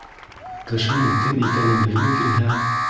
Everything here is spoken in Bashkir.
Кешенең кем икәнен белгең килһә